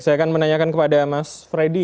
saya akan menanyakan kepada mas freddy